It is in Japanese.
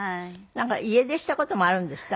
なんか家出した事もあるんですって？